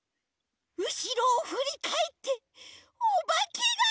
うしろをふりかえっておばけがいたら。